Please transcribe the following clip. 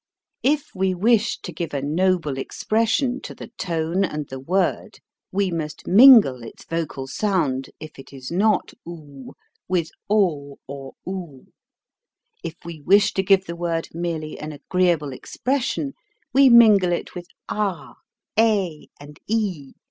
If we wish to give a noble expression to the tone and the word, we must mingle its vocal sound, if it is not 00, with o or oo. If we wish to give the word merely an agree able expression, we mingle it with ah, a, and e.